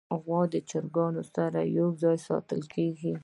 غوا د چرګانو سره یو ځای ساتل کېږي.